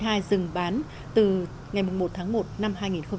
và dừng bán từ ngày một tháng một năm hai nghìn một mươi tám